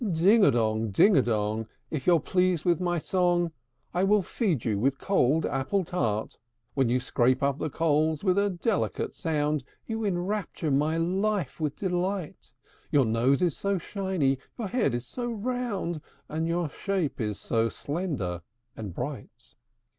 Ding a dong, ding a dong! If you're pleased with my song, I will feed you with cold apple tart. When you scrape up the coals with a delicate sound, You enrapture my life with delight, Your nose is so shiny, your head is so round, And your shape is so slender and bright!